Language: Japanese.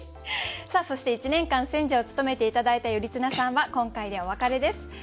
さあそして１年間選者を務めて頂いた頼綱さんは今回でお別れです。